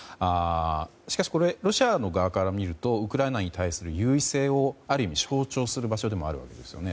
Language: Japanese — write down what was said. しかし、これロシアの側から見るとウクライナに対する優位性をある意味象徴する場所でもあるわけですね。